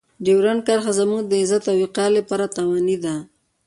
ډیورنډ کرښه زموږ د عزت او وقار لپاره تاواني ده.